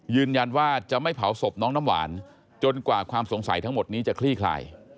ยืนยันว่าจะไม่เผาศพน้องน้ำหวานจนกว่าความสงสัยทั้งหมดนี้จะคลี่คลาย